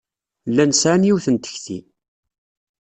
Llan sɛan yiwet n tekti.